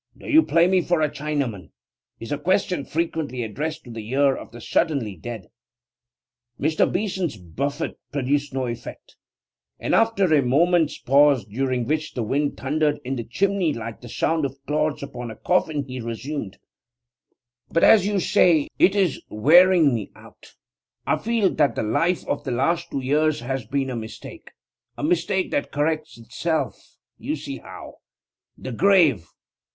Do you play me for a Chinaman? is a question frequently addressed to the ear of the suddenly dead. Mr. Beeson's buffet produced no effect, and after a moment's pause, during which the wind thundered in the chimney like the sound of clods upon a coffin, he resumed: 'But, as you say, it is wearing me out. I feel that the life of the last two years has been a mistake a mistake that corrects itself; you see how. The grave!